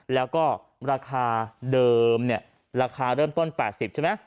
แล้วก็ราคาเดิมเนี่ยราคาเริ่มต้น๘๐ใช่ไหม